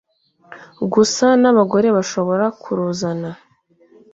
gusa n'abagore bashobora kuruzana.